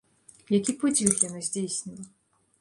Які подзвіг яна здзейсніла?